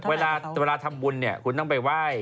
เวลาทำบุญเนี่ยคุณต้องไปไหว้